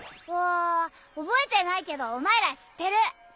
おー覚えてないけどお前ら知ってる。